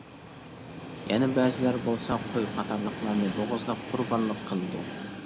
يەنە بەزىلەر بولسا قوي قاتارلىقلارنى بوغۇزلاپ قۇربانلىق قىلىدۇ.